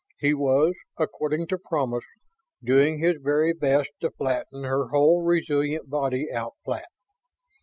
He was, according to promise, doing his very best to flatten her whole resilient body out flat.